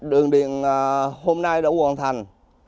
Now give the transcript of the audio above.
đường điện hôm nay đã hoàn thành